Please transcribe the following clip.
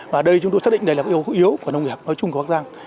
và đây chúng tôi xác định đây là yếu của nông nghiệp nói chung của bắc giang